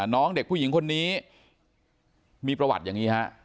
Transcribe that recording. น้องเด็กผู้หญิงคนนี้มีประวัติอย่างนี้ฮะ